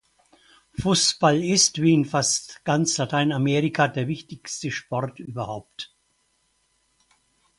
Fußball ist, wie in fast ganz Lateinamerika, der wichtigste Sport überhaupt.